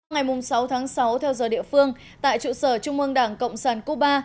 ngày sáu tháng sáu theo giờ địa phương tại trụ sở trung ương đảng cộng sản cuba